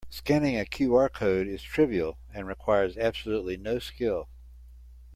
Scanning a QR code is trivial and requires absolutely no skill.